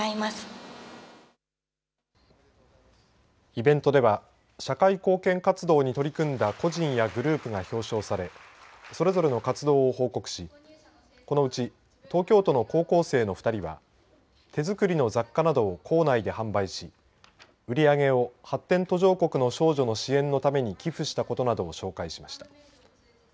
イベントでは社会貢献活動に取り組んだ個人やグループが表彰されそれぞれの活動を報告しこのうち東京都の高校生の２人は手作りの雑貨などを校内で販売し売り上げを発展途上国の少女の支援のために寄付したことなどを紹介しました。